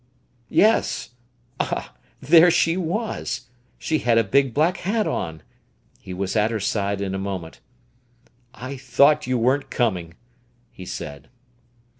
Yes; ah, there she was! She had a big black hat on! He was at her side in a moment. "I thought you weren't coming," he said.